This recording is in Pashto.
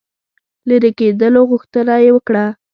لیري کېدلو غوښتنه یې وکړه.